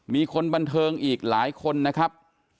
มีคนบันเทิงอีกหลายคนนะครับ